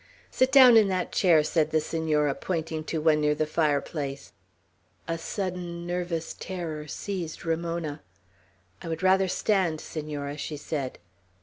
"Sit down in that chair," said the Senora, pointing to one near the fireplace. A sudden nervous terror seized Ramona. "I would rather stand, Senora," she said.